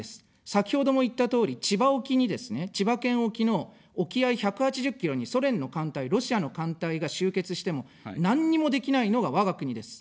先ほども言ったとおり、千葉沖にですね、千葉県沖の沖合１８０ｋｍに、ソ連の艦隊、ロシアの艦隊が集結しても、なんにもできないのが、我が国です。